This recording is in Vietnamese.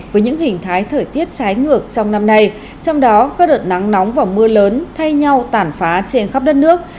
với những hình thái thời tiết trái ngược trong năm nay trong đó các đợt nắng nóng và mưa lớn thay nhau tản phá trên khắp đất nước